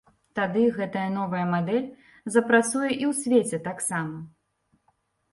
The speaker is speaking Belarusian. Тады гэтая новая мадэль запрацуе і ў свеце таксама.